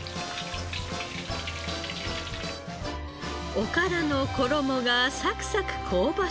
おからの衣がサクサク香ばしい唐揚げ。